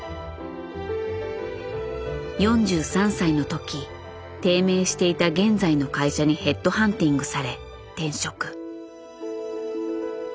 ４３歳の時低迷していた現在の会社にヘッドハンティングされ転職。